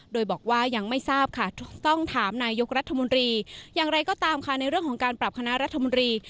โดยบอกว่ายังไม่ทราบค่ะต้องถามนายกรัฐมนตรีอย่างไรก็ตามค่ะในเรื่องของการปรับคณะรัฐมนตรี